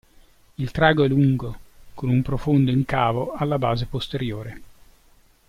Il trago è lungo, con un profondo incavo alla base posteriore.